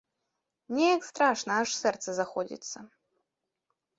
Неяк страшна, аж сэрца заходзіцца.